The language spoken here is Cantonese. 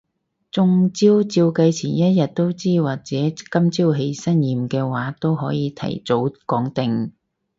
中招照計前一日都知，或者今朝起身驗嘅話都可以提早講定